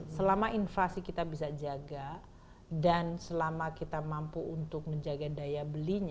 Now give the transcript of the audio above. selama inflasi kita bisa jaga dan selama kita mampu untuk menjaga daya belinya